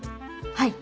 はい。